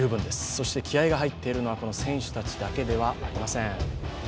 そして、気合いが入っているのはこの選手たちだけではありません。